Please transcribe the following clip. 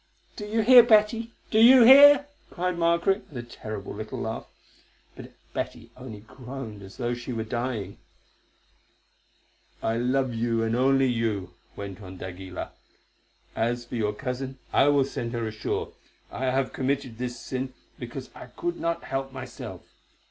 "Do you hear, Betty? do you hear?" cried Margaret with a terrible little laugh; but Betty only groaned as though she were dying. "I love you, and you only," went on d'Aguilar. "As for your cousin, I will send her ashore. I have committed this sin because I could not help myself.